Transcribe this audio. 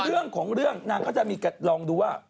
เรื่องของเรื่องนางก็จะมีลองดูว่า